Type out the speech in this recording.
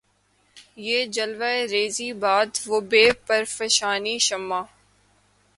بہ جلوہ ریـزئ باد و بہ پرفشانیِ شمع